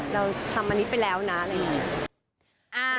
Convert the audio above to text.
เราทำอันนี้ไปแล้วนะอะไรอย่างนี้